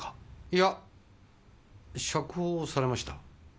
いや釈放されました。